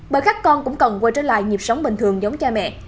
bởi các con cũng cần quay trở lại nhịp sống bình thường giống cha mẹ